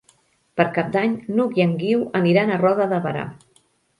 Per Cap d'Any n'Hug i en Guiu aniran a Roda de Berà.